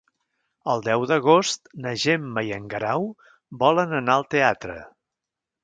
El deu d'agost na Gemma i en Guerau volen anar al teatre.